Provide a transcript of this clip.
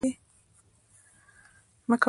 مکوه! چې خراپی یې